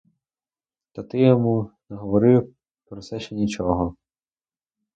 Та ти йому не говори про це ще нічого.